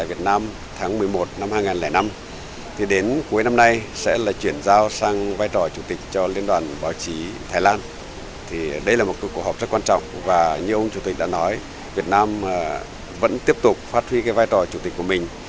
và như ông chủ tịch đã nói việt nam vẫn tiếp tục phát huy cái vai trò chủ tịch của mình